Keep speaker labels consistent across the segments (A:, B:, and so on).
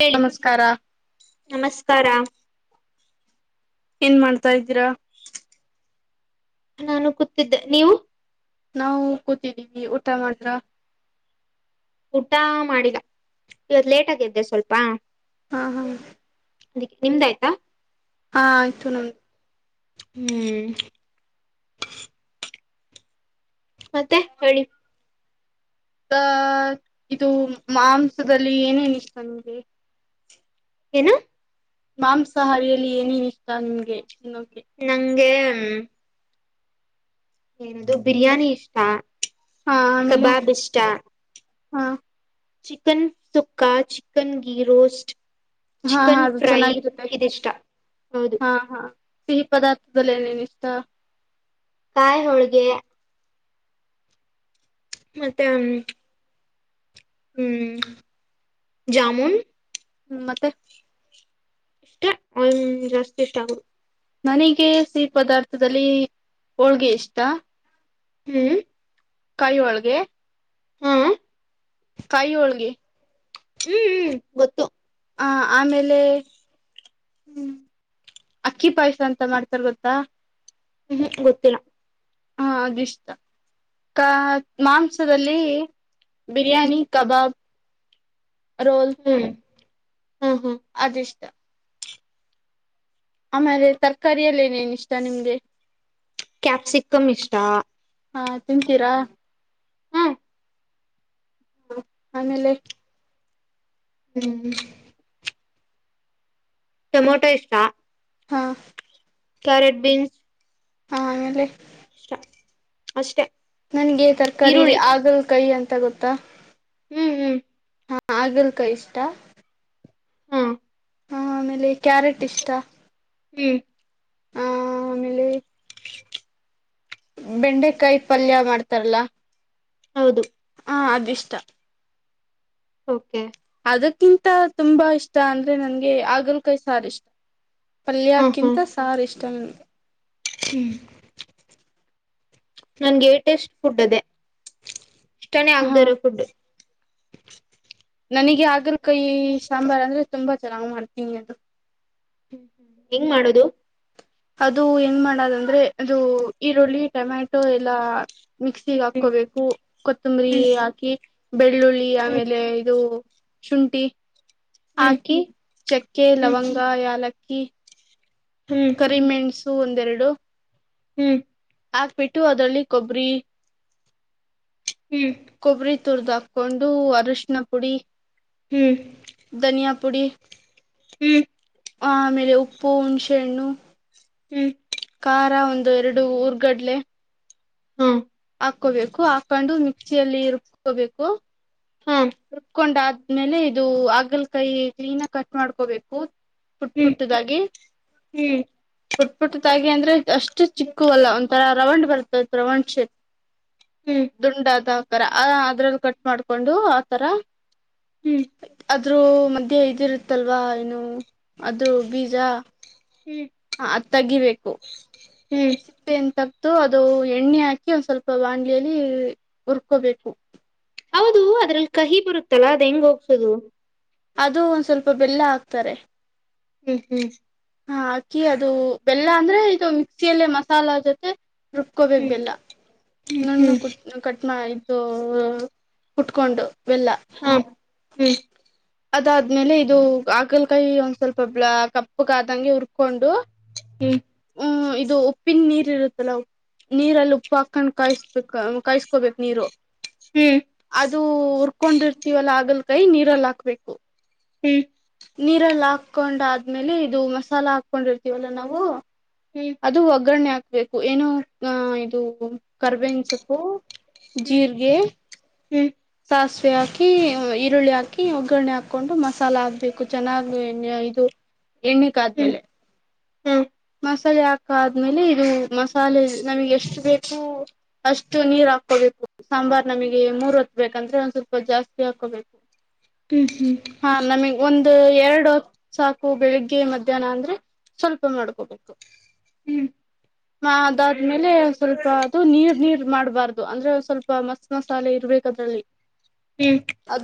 A: ಹೇಳಿ
B: ನಮಸ್ಕಾರ
A: ನಮಸ್ಕಾರ
B: ಏನ್ ಮಾಡ್ತಾ ಇದ್ದೀರಾ
A: ನಾನು ಕೂತಿದ್ದೆ ನೀವು
B: ನಾವು ಕೂತಿದ್ದೀವಿ ಊಟ ಮಾಡ್ರ
A: ಊಟ ಮಾಡಿಲ್ಲ ಇವತ್ ಲೇಟ್ ಆಗೆದ್ದೆ ಸ್ವಲ್ಪ
B: ಹ್ಮ ಹಾ
A: ಅದಕ್ಕೆ ನಿಮ್ದಯ್ತಾ
B: ಹಾ ಆಯ್ತು ನಮ್ದು
A: ಹ್ಮ್ ಮತ್ತೆ ಹೇಳಿ
B: ಆ ಇದು ಮಾಂಸದಲ್ಲಿ ಏನ್ ಏನ್ ಇಷ್ಟ ನಿಮಗೆ
A: ಏನು
B: ಮಾಂಸಾಹಾರಿಯಲ್ಲಿ ಏನೇನ್ ಇಷ್ಟ ನಿಮ್ಗೆ ಇನ್ನು
A: ನಂಗೆ ನಿಂದು ಬಿರಿಯಾನಿ ಇಷ್ಟ
B: ಹಾ ಆಮೇಲೆ
A: ಕಬಾಬ್ ಇಷ್ಟ
B: ಹಾ
A: ಚಿಕನ್ ಸುಕ್ಕಾ ಚಿಕನ್ ಗಿರೋಸ್ಟ್
B: ಹಾ ಹಾ ಅದು ಚೆನ್ನಾಗಿರುತ್ತೆ
A: ಹೌದು
B: ಹಾ ಹಾ ಸಿಹಿ ಪದಾರ್ಥ ಏನ್ ಏನ್ ಇಷ್ಟ
A: ಕಾಯ ಹೋಳಿಗೆ ಮತ್ತೆ ಹ ಹ್ಮ್ ಜಮೂನ್
B: ಹ್ಮ್ ಮತ್ತೆ
A: ಇಷ್ಟೇ ಅವ ಜಾಸ್ತಿ ಇಷ್ಟ ಆಗುದು
B: ನನಗೆ ಸಿಹಿ ಪದಾರ್ಥದಲ್ಲಿ ಹೋಳ್ಗೆ ಇಷ್ಟ
A: ಹ್ಮ್
B: ಕಾಯ ಹೋಳಗೆ
A: ಹಾ ಹ್ಮ್
B: ಕಾಯಿ ಹೋಳಗೆ
A: ಹ್ಮ್ ಹ್ಮ್ ಗೊತ್ತು
B: ಹ ಆಮೇಲೆ ಹ್ಮ್ ಅಕ್ಕಿ ಪಾಯಸ ಅಂತ ಮಾಡ್ತಾರ ಗೊತ್ತಾ
A: ಹ್ಮ್ ಗೊತ್ತಿಲ್ಲಾ
B: ಹಾ ಇಷ್ಟ ಕ ಮಾಂಸದಲ್ಲಿ ಬಿರಿಯಾನಿ ಕಬಾಬ್
A: ಹ್ಮ್ ಹ್ಮ್ ಹ್ಮ್
B: ಅದ ಇಷ್ಟ ಆಮೇಲೆ ತರಕಾರಿಯಲ್ಲಿ ಏನೇನು ಇಷ್ಟ ನಿಮ್ಗೆ
A: ಕ್ಯಾಪ್ಸಿಕಂ ಇಷ್ಟಾ
B: ಹಾ ತಿಂತೀರಾ ಹಾ ಆಮೇಲೆ
A: ಹ್ಮ್ ಟೊಮೊಟೊ ಇಷ್ಟಾ
B: ಹಾ
A: ಕ್ಯರೆಟ್ ಬೀನ್ಸ್
B: ಹಾ ಆಮೇಲೆ
A: ಅಷ್ಟ ಅಷ್ಟೇ
B: ನನ್ಗೆ ತರ್ಕಾರಿ ಇದೆ ಹಾಗಲಕಾಯಿ ಅಂತ ಗೊತ್ತಾ
A: ಹ್ಮ್ ಹ್ಮ್
B: ಹಾ ಹಾಗಲಕಾಯಿ ಇಷ್ಟ
A: ಹಾ
B: ಹಾ ಆಮೇಲೆ ಕ್ಯಾರೆಟ್ ಇಷ್ಟ
A: ಹ್ಮ್
B: ಹ ಆಮೇಲೆ
A: ಹ
B: ಬೆಂಡೆಕಾಯಿ ಪಲ್ಯ ಮಾಡ್ತಾರಲ್ಲ
A: ಹೌದು
B: ಹ ಇ ಇಷ್ಟ
A: ಓಕೆ
B: ಅದಕ್ಕಿಂತ ತುಂಬಾ ಇಷ್ಟ ಅಂದ್ರೆ ನನ್ಗೆ ಹಾಗಲಕಾಯಿ ಸಾರ್ ಇಷ್ಟ ಪಲ್ಯಕ್ಕಿಂತ ಸಾರ್ ಇಷ್ಟ ನ
A: ಹ್ಮ ನಂಗೆಟೇಸ್ಟ್ ಫುಡ್ ಅದೆೇ ಇಷ್ಟಾನೇ
B: ಹಾ
A: ಆಗ್ದೇ ಇರೋ ಫುಡ್
B: ನನಗೆ ಆಗ್ರಕಾಯಿ ಸಾಂಬಾರ್ ಅಂದ್ರೆ ತುಂಬಾ ಚೆನ್ನಾಗ್ ಮಾಡ್ತೀನಿ ಅದು
A: ಹ್ಮ್ ಹ್ಮ್ ಹೆಂಗ್ ಮಾಡೋದು
B: ಅದು ಏನ್ ಮಾಡದಂದ್ರೆ ಅದು ಈರುಳ್ಳಿ ಟೊಮ್ಯಾಟೊ ಎಲ್ಲಾ ಮಿಕ್ಸಿಗೆ
A: ಹ್ಮ್
B: ಹಾಕೋಬೇಕು ಕೊತ್ತಂಬರಿ
A: ಹ್ಮ್
B: ಹಾಕಿ ಬೆಳ್ಳುಳ್ಳಿ
A: ಹ್ಮ್
B: ಆಮೇಲೆ ಇದು ಶುಂಠಿ ಆಕಿ ಚಕ್ಕೆ
A: ಹ್ಮ್
B: ಲವಂಗ ಯಾಲಕ್ಕಿ
A: ಹ್ಮ್
B: ಕರಿಮೆಣಸು ಒಂದೆರಡು
A: ಹ್ಮ್
B: ಆಗ್ಬಿಟ್ಟು ಅದರಲ್ಲಿ ಕೊಬ್ಬರಿ ಕೊಬ್ಬರಿ ತುರ್ದ್ ಹಾಕೊಂಡು ಅರಶಿನ ಪುಡಿ
A: ಹ್ಮ್
B: ಧನಿಯಾ ಪುಡಿ
A: ಹ್ಮ್
B: ಆಮೇಲೆ ಉಪ್ಪು ಹುಣ್ಸೆಹ ಹಣ್ಣು
A: ಹ್ಮ
B: ಕಾರ ಒಂದು ಎರಡು ಊರ್ಗಡ್ಲೆ
A: ಹ್ಮ
B: ಹಾಕೋಬೇಕು ಹಾಕೊಂಡು ಮಿಕ್ಸಿಯಲ್ಲಿ ರುಬ್ಕೋಬೇಕು
A: ಹ್ಮ್
B: ಕಕೊಂಡ ಆದ್ಮೇಲೆ ಇದು ಆಗಲಕೈ ಕ್ಲೀನ್ ಆಗಿ ಕಟ್ ಮಾಡ್ಕೋಬೇಕು ಪುಟ್
A: ಹ್ಮ್
B: ಪುಟ್ಟದಾಗಿ
A: ಹ್ಮ್
B: ಪುಟ್ ಪುಟ್ಟ ತಾಗಿ ಅಂದ್ರೆ ಅಷ್ಟು ಚಿಕ್ಕ ಅಲ್ಲ ಒಂಥರ ರವಂಡ್ ಬರ್ತ ರವಂಡ್ ಶೇಪ್
A: ಹ್ಮ್
B: ದುಂಡದ ಆಕಾರ ಆ ಅದ್ರಲ್ಲಿ ಕಟ್ ಮಾಡ್ಕೊಂಡು ಆತರ
A: ಹ್ಮ್
B: ಅದು ಅ್ರೂ ಮಧ್ಯೆ ಇದಿರುತ್ತಲ್ವಾ ಏನು ಅದ್ರೂ ಬೀಜ
A: ಹ್ಮ್
B: ಹ ಅದ್ ತಗಿಬೇಕು
A: ಹ್ಮ್
B: ಸಿಪ್ಪ ಎಂತ ಮತ್ತು ಅದು ಎಣ್ಣೆ ಹಾಕಿ ಒಂದ್ ಸ್ವಲ್ಪ ಬಾಂಗ್ಲಲಿ ಉುರ್ಕೋಬೇಕು
A: ಹೌದು ಅದ್ರಲ್ಲಿ ಕಹಿ ಬರುತ್ತಲ್ಲಾ ಅದ್ ಹೆಂಗ್ ಹೋಗಸೋದು
B: ಅದು ಒಂದ್ ಸ್ವಲ್ಪ ಬೆಲ್ಲ ಹಾಕ್ತಾರೆ
A: ಹ್ಮ್ ಹ್ಮ್
B: ಹಾ ಅಕ್ಕಿ ಅದು ಬೆಲ್ಲ ಅಂದ್ರೆ ಇದು ಮಿಕ್ಸಿಯಲ್ಲೇ ಮಸಾಲಾ ಜೊತೆ ರುಬ್ಕೋಬೇಕ
A: ಹ್ಮ್
B: ಬೆಲ್ಲ
A: ಹ್ಮ್
B: ನಣ್ಣು
A: ಹ್ಮ್
B: ಕುಟ್ ಕಟ್ ಮಾಡ ಸ ಉಟ್ಕೊಂಡು ಬೆಲ್ಲ
A: ಹಾ ಹ್ಮ್
B: ಅದಾದ್ಮೇಲೆ ಇದು ಆಕಲಕಾಯಿ ಒಂದ್ ಸ್ವಲ್ಪ ಕಪ್ಪಗಾದಂಗೆ ಹುರ್ಕೊಂಡು
A: ಹ್ಮ್
B: ಹ್ಮ ಇದು ಉಪ್ಪಿನ ನೀರ್ ಇರುತ್ತಲ್ಲ ನೀರಲ್ಲಿ ಉಪ್ಪು ಹಾಕೊಂಡ್ ಕಾಯಿಸ್ಬೇಕ ಕಾಯಸ್ಕೋಬೇಕಕ್ ನೀರು
A: ಹ್ಮ್
B: ಅದು ಉುರ್ಕೊಂಡಿರ್ತೀವಲ್ಲ ಆಗಲ್ ಕೈ ನೀರಲ್ಲ ಹಾಕ್ಬೇಕು
A: ಹ್ಮ
B: ನೀರಲ್ಲಿ ಹಾಕೊಂಡ ಆದ್ಮೇಲೆ ಇದು ಮಸಾಲ ಹಾಕೊಂಡಿರ್ತೀವಲ್ಲ ನಾವು
A: ಹ್ಮ್
B: ಅದು ಒಗ್ಗರಣೆ ಹಾಕ್ಬೇಕು ಏನೋ ಅ ಇದು ಕರ್ಬೇನ್ ಸೊಪ್ಪು ಜೀರಿಗೆ ಸಾಸಿವೆ ಹಾಕಿ ಈರುಳ್ಳಿ ಹಾಕಿ ಒ ಕುಕರ್ಣಿ ಹಾಕೊಂಡು ಮಸಾಲ ಹಾಕ್ಬೇಕು ಚೆನ್ನಾಗ್ ಎಣ ಇದು ಎಣ್ಣಕ್
A: ಹ್ಮ್
B: ಆದ್ಮೇಲೆ ಮಸಾಲೆ ಹಾಕ ಆದ್ಮೇಲೆ ಇದು ಮಸಾಲೆ ನಮಗೆ ಎಷ್ಟು ಬೇಕು ಅಷ್ಟು ನೀರ್ ಹಾಕೋಬೇಕು ಸಾಂಬಾರ್ ನಮಗೆ ಮೂರ್ ಹೊತ್ ಬೇಕಂದ್ರೆ ಒಂದ್ ಸ್ವಲ್ಪ ಜಾಸ್ತಿ ಹಾಕೋಬೇಕು ಹಾ ನಮಗ್ ಒಂದು ಎರಡು ಸಾಕು ಬೆಳಿಗ್ಗೆ ಮಧ್ಯಾಹ್ನ ಅಂದ್ರೆ ಸ್ವಲ್ಪ ಮಾಡ್ಕೋಬೇಕು
A: ಹ್ಮ್
B: ಅದಾದ್ಮೇಲೆ ಸ್ವಲ್ಪ ಅದು ನೀರ್ ನೀರ್ ಮಾಡ್ಬಾರ್ದು ಅಂದ್ರೆ ಸ್ವಲ್ಪ ಮಸ್ ಮಸಾಲೆ ಇರ್ಬು
A: ಹ್ಮ್ ಹಾ ಹ್ಮ್ ಹ್ಮ್ ಹ್ಮ್ ಹ್ಮ್
B: ಅ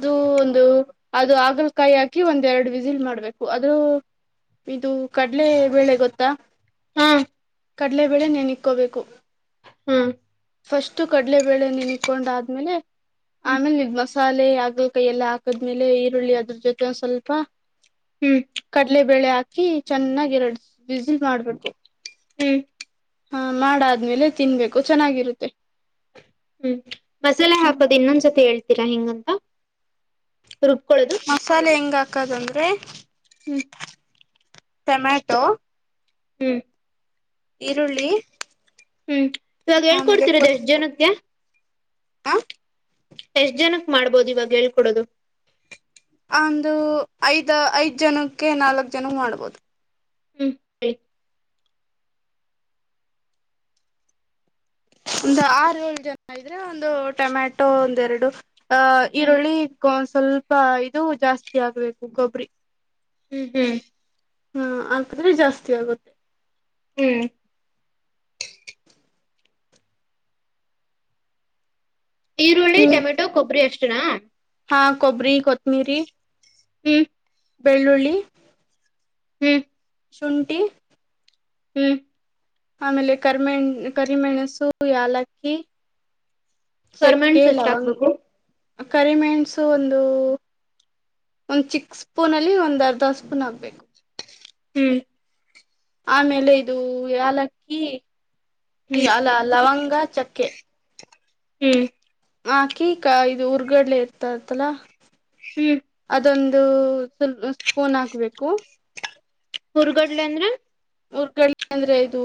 B: ಅದು ಆಗಲಕಾಯಿ ಹಾಕಿ ಒಂದ್ ಎರಡು ವಿಸಿಲ್ ಮಾಡ್ಬೇಕು ಅ್ರೂ ಇದು ಕಡಲೆ ವೇಳೆ ಗೊತ್ತಾ
A: ಹಾ
B: ಕಡಲೆಬೇಳೆ ನೆನಿ ಇಕ್ಕೋಬೇಕು
A: ಹಾ
B: ಫಸ್ಟ್ ಕಡ್ಲೆಬೇಳೆ ನಿಕೊಂಡಾದ್ಮೇಲೆ
A: ಹ್ಮ್
B: ಆಮೇಲೆ ನಐದು ಮಸಾಲೆ ಹಾಗಲಕಾಯಿ ಎಲ್ಲ ಹಾಕದ್ಮೇಲೆ ಈರುಳ್ಳಿ ಅದ್ರ ಜೊತೆ ಸ್ವಲ್ಪ
A: ಹ್ಮ್
B: ಕಡ್ಲೆಬೇಳೆ ಹಾಕಿ ಚೆನ್ನಾಗಿ ಎರಡ್ ಬಿಸಿ ಮಾಡ್ಬೇಕು
A: ಹ್ಮ್
B: ಹಾ ಮಾಡಾದ್ಮೇಲೆ ತಿನ್ಬೇಕು ಚೆನ್ನಾಗಿರುತ್ತೆ
A: ಹ್ಮ್ ಮಸಾಲೆ
B: ಹ್ಮ್
A: ಹಾಕದ ಇನ್ನೊಂದ್ಸತಿ ಹೇಳ್ತೀರಾ ಹೆಂಗಂತ ರುಬ್ಕೊಳ್ಳೋದು
B: ಮಸಾಲೆ ಹೆಂಗ ಹಾಕದಂದ್ರೆ
A: ಹ್ಮ್
B: ಟೊಮ್ಯಾಟೊ
A: ಹ್ಮ್
B: ಈರುಳ್ಳಿ
A: ಹ್ಮ್ ಇವಾಗ ಹೇಳ್ಕೊಡ್ತಿರದ್ ಎಷ್ಟು ಜನಕ್ಕೆ
B: ಹಾ
A: ಎಷ್ಟ ಜನಕ್ ಮಾಡ್ಬೋದು ಇವಾಗ ಹೇಳ್ಕೊಡೋದು
B: ಒಂದು ಐದ ಐದ್ ಜನಕ್ಕೆ ನಾಲ್ಕ್ ಜನ ಮಾಡ್ಬೋದು
A: ಹ್ಮ್ ಹೇಳಿ
B: ಒಂದು ಆರು ಏಳು ಜನ ಇದ್ರೆ ಒಂದು ಟೊಮ್ಯಾಟೊ ಒಂದೆರಡು ಹಾ
A: ಹ್ಮ್
B: ಈರುಳ್ಳಿ ಸ್ವಲ್ಪ ಇದು ಜಾಸ್ತಿ ಆಗ್ಬೇಕು ಕೊಬ್ಬರಿ
A: ಹ್ಮ್ ಹ್ಮ್
B: ಹಾ ಹಾಕಿದ್ರೆ ಜಾಸ್ತಿ ಆಗುತ್ತೆ
A: ಹ್ಮ್ ಈರುಳ್ಳಿ
B: ನಿಮಗ್
A: ಟೊಮೆಟೊ ಕೊಬ್ಬರಿ ಅಷ್ಟನಾ
B: ಹಾ ಕೊಬ್ಬರಿ ಕೊತ್ತಮಿರಿ
A: ಹ್ಮ್
B: ಬೆಳ್ಳುಳ್ಳಿ
A: ಹ್ಮ್
B: ಶುಂಠಿ
A: ಹ್ಮ್
B: ಆಮೇಲೆ ಕರಿಮೆಣ ಕರಿಮೆಣಸು ಏಲಕ್ಕಿ ಚಕ್ಕೆ
A: ಕರ್ಮೆಂಟ್ಸ್ ಎಷ್ಟ
B: ಲವಂಗ
A: ಹಾಕ್ಬೇಕು
B: ಕರಿಮೆಣಸು ಒಂದು ಒಂದ್ ಚಿಕ್ ಸ್ಪೂನ್ ಅಲ್ಲಿ ಒಂದ್ ಅರ್ಧ ಸ್ಪೂನ್ ಹಕ್ಬೇಕು
A: ಹ್ಮ್
B: ಆಮೇಲೆ ಇದು ಏಲಕ್ಕಿ
A: ಹ್ಮ್
B: ಅಲ್ಲ ಲವಂಗ ಚಕ್ಕೆ
A: ಹ್ಮ್
B: ಹಾಕಿ ಇದು ಉರ್ಗಡ್ಲೆ ಇರ್ತತ್ತಲ
A: ಹ್ಮ್
B: [inaudible] ಅದೊಂದು ಸ್ಫೋನ್ ಹಾಕ್ಬೇಕು
A: ಉರ್ಗಡ್ಲೆ ಅಂದ್ರೆ
B: ಉರ್ಗಡ್ಲೆ ಅಂದ್ರೆ ಇದು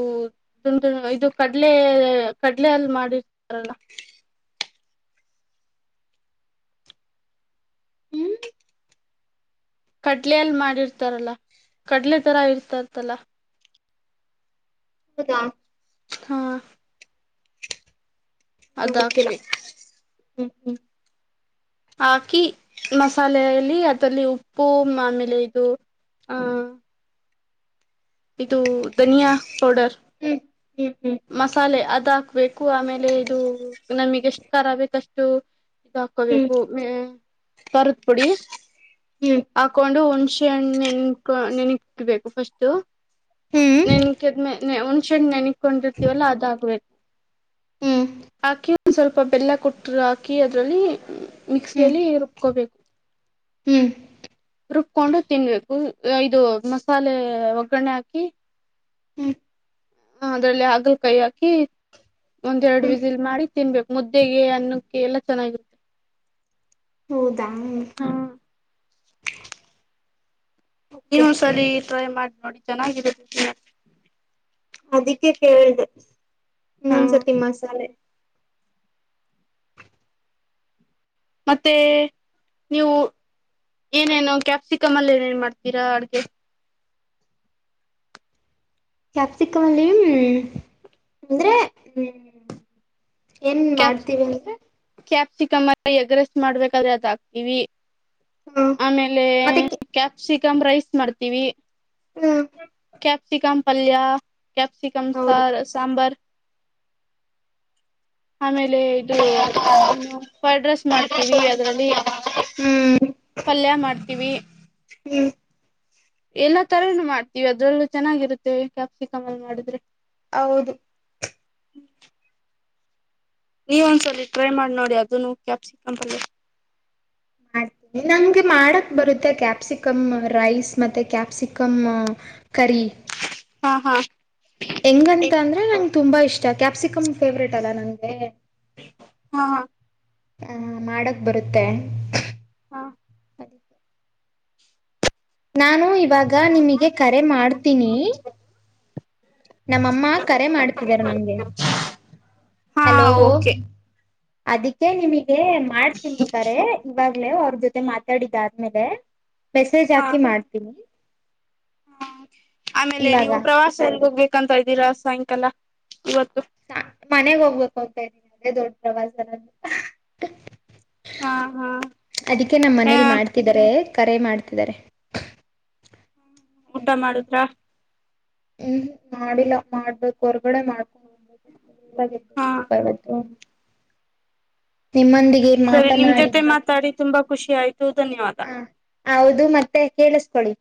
B: ದಇದು ಕಡ್ಲೆ ಕಡ್ಲೆ ಅಲ್ಲಿ ಮಾಡಿರ್ತಾರಲ್ಲ
A: ಹ್ಮ್
B: ಕಡ್ಲೆಲ್ ಮಾಡಿರ್ತಾರಲ್ಲ [inaudible] ಕಡ್ಲೆ ತರ ಇರ್ತಾರತಲ್ಲ
A: ಹೌದಾ
B: ಹಾ ಅದ್
A: ಗೊತ್ತಿಲ್ಲ
B: ಹಾಕ್ಬೇಕು
A: ಹ್ಮ್ ಹ್ಮ್
B: ಹಾಕಿ ಮಸಾಲೆಯಲ್ಲಿ ಅದರಲ್ಲಿ ಉಪ್ಪು ಆಮೇಲೆ ಇದು ಹಾ ಇದು ಧನಿಯಾ ಪೌಡರ್
A: ಹ್ಮ್ ಹ್ಮ್ ಹ್ಮ್
B: ಮಸಾಲೆ ಅದ್ ಹಾಕ್ಬೇಕು ಆಮೇಲೆ ಇದು ನಮಗೆ ಎಷ್ಟು ಖಾರ್ ಆಗತ್ತಷ್ಟು ಇದ
A: ಹ್ಮ್
B: ಹಾಕೋಬೇಕು ಮ ಕರದ ಪುಡಿ
A: ಹ್ಮ್
B: ಹಾಕೊಂಡು ಹುಣಸೆಣ್ಣ ನೆನ್ಕೊ ನೆನಕ್ಬೇಕು ಫಸ್ಟ್ು
A: ಹ್ಮ್ ಹ್ಮ್
B: ನೆನಕದ್ಮ ಒಣ್ಸೆಟ್ ನೆನಕೊಂಡಿರ್ತೀವಲ್ಲ ಅದಾಗಬೇಕು
A: ಹ್ಮ್
B: ಹಾಕಿ ಒಂದ್ ಸ್ವಲ್ಪ ಬೆಲ್ಲ ಕೊಟ್ಟ್ರ ಹಾಕಿ ಅದ್ರಲ್ಲಿ ಮಿಕ್ಸಿಯಲ್ಲಿ ರುಬ್ಕೋಬೇಕು
A: ಹ್ಮ್
B: ರುಬ್ಕೊಂಡು ತಿನ್ಬೇಕು ಇದು ಮಸಾಲೆ ಒಗ್ಗರಣೆ ಹಾಕಿ
A: ಹ್ಮ್
B: ಹ ಅದ್ರಲ್ಲಿ ಹಾಗಲ್ ಕೈ ಹಾಕಿ ಒಂದ್ೆರಡು
A: ಹ್ಮ್
B: ವಿಸಿಲ್ ಮಾಡಿ ತಿನ್ಬೇಕು ಮುದ್ದೆಗೆ ಅನ್ನಕ್ಕೆ ಎಲ್ಲಾ ಚೆನ್ನಾಗಿರುತ್ತೆ
A: ಹೌದಾ ಓಕೆ
B: ನೀವು ಸರಿ ಟ್ರೈ ಮಾಡಿ ನೋಡಿ ಚೆನ್ನಾಗಿದೆ
A: ಅದಕ್ಕೆೇ ಕೇಳ್ದ
B: ಹಾ
A: ಇನ್ನೊಂದ್ಸತಿ ಮಸಾಲೆ
B: ಮತ್ತೆ ನೀವು ಏನೇನು ಕ್ಯಾಪ್ಸಿಕಮ್ ಅಲ್ಲಿ ಏನೇನ್ ಮಾಡ್ತೀರಾ ಅಡ್ಗೆ
A: ಕ್ಯಾಪ್ಸಿಕಮಲ್ಲಿ ಅಂದ್ರೆ ಹ್ಮ ಏನ್ ಮಾಡ್ತೀವಿ ಅಂದ್ರೆ
B: ಚಿಕನ್ ಎಗ್ರೆಸ್ಟ್ ಮಾಡ್ಬೇಕಾದ್ರೆ ಅದ ಹಾಕ್ತಿೀವಿ
A: ಹ್ಮ
B: ಆಮೇಲೆ
A: ಮತ್ತೆ
B: ಕ್ಯಾಪ್ಸಿಕಮ್ ರೈಸ್ ಮಾಡ್ತೀವಿ
A: ಹ್ಮ್
B: ಕ್ಯಾಪ್ಸಿಕಮ ಪಲ್ಯ ಕ್ಯಾಪ್ಸಿಕಮ
A: ಹೌದು
B: ಸ ಸಾಂಬರ್ ಆಮೇಲೆ ಇದು ಏನು ಫ್ರೈಡ್ ರೈಸ್ ಮಾಡ್ತೀವಿ ಅದ್ರಲ್ಲಿ
A: ಹ್ಮ್
B: ಪಲ್ಯ ಮಾಡ್ತೀವಿ
A: ಹ್ಮ್
B: ಎಲ್ಲಾ ತರನು ಮಾಡ್ತೀವಿ ಅದ್ರಲ್ಲೂ ಚೆನ್ನಾಗಿರುತ್ತೆ ಕ್ಯಾಪ್ಸಿಕಮ್ ಅಲ್ಲಿ ಮಾಡಿದ್ರೆ
A: ಹೌದು
B: ಹ್ಮ್ ನೀವು ಒಂದ್ಸಲ ಟ್ರೈ ಮಾಡಿ ನೋಡಿ ಅದನು ಕ್ಯಾಪ್ಸಿಕಂ ಅಲ್ಲಿ
A: ಮಾಡ್ತೀನಿ ನನ್ಗೆ ಮಾಡ ಬರುತ್ತೆ ಕ್ಯಾಪ್ಸಿಕಮ್ ರೈಸ್ ಮತ್ತೆ ಕ್ಯಾಪ್ಸಿಕಮ್ ಕರಿ
B: ಹಾ ಹಾ
A: ಹೆಂಗಂತ ಅಂದ್ರೆ ನಂಗೆ ತುಂಬಾ ಇಷ್ಟ ಕ್ಯಾಪ್ಸಿಕಮ್ ಫೇವ್ರೇಟ್ ಅಲ್ಲಾ ನಂಗೆ
B: ಹಾ ಹ
A: ಹ ಮಾಡಕ್ ಬರುತ್ತೆ
B: ಹಾ
A: ನಾನು ಇವಾಗ ನಿಮಗೆ ಕರೆ ಮಾಡ್ತೀನಿ ನಮ್ಮಮ್ಮ ಕರೆ ಮಾಡ್ತಿದ್ದಾರೆ ನಂಗೆ
B: ಹಾ
A: ಹಲೋ
B: ಓಕೆ
A: ಅದಕ್ಕೆ ನಿಮಗೆ ಮಾಡ್ತಿರ್ತಾರೆ ಅವ್ರ ಜೊತೆ ಮಾತಾಡಿದ್ದ ಆದ್ಮೇಲೆ ಮೆಸೇಜ್
B: ಹಾ
A: ಹಾಕಿ ಮಾಡ್ತೀನಿ ಇವಾಗ
B: ಕಕಂತ ಇದ್ದೀರಾ ಸಾಯಂಕಾಲ ಇವತ್ತು
A: ಮನೆಗ ಹೋಗ್ಬೇಕ ಹೋಗ್ತಾ ಇದ್ದೀನಿ ಅದೇ ದೊಡ್ಡ ಪ್ರವಾಸರ
B: ಹಾ ಹಾ
A: ಅದಕ್ಕೆ ನಮ್ಮ
B: ಆ
A: ಮನೇಲಿ ಮಾಡ್ತಿದಿದ್ದಾರೆ ಕರೆ ಮಾಡ್ತಿದ್ದಾರೆ
B: ಊಟ ಮಾಡುದ್ರಾ
A: ಹ್ಮ್ ಮಾಡಿಲ್ಲಾ ಮಾಡ್ಬೇಕು ಹೊರ್ಗಡೆ ಮಾಡ್ಬೇಕ
B: ಹಾ
A: ಸ್ವಲ್ಪ ಇವತ್ತು ನಿಮ್ಮಂದಿ
B: ಸರಿ ನಿಮ್
A: ತನಾಡ
B: ಜೊತೆ ಮಾತಾಡಿ ತುಂಬಾ ಖುಷಿ ಆಯ್ತು ಧನ್ಯವಾದ
A: ಹ ಹೌದು ಮತ್ತೆ ಕೇಳ